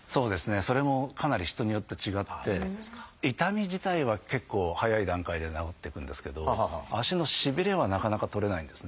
それもかなり人によって違って痛み自体は結構早い段階で治っていくんですけど足のしびれはなかなか取れないんですね。